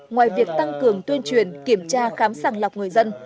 ngoài việc tăng cường tuyên truyền kiểm tra khám sàng lọc người dân